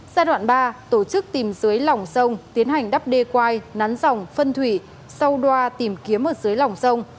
giai đoạn thứ ba tổ chức tìm dưới lỏng sông tiến hành đắp đê quai nắn dòng phân thủy sâu đoa tìm kiếm ở dưới lỏng sông